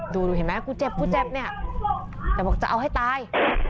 ดูเห็นไหมกูเจ็บกูเจ็บเนี่ยแต่บอกจะเอาให้ตาย